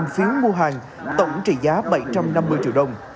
một mươi phiếu mua hàng tổng trị giá bảy trăm năm mươi triệu đồng